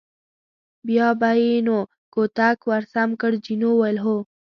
بیا به یې نو کوتک ور سم کړ، جینو وویل: هو.